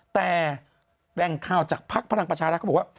แต่แหล่งข่าวจากภักดิ์พลังประชารัฐเขาบอกว่า